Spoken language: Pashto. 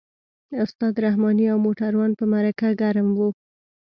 استاد رحماني او موټروان په مرکه ګرم وو.